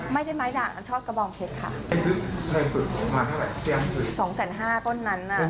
ไม่ได้ไม้ด่างชอบกระบองเพชรค่ะแรงสุดของมันเท่าไรสี่แสนสุดสองแสนห้าต้นนั้นน่ะ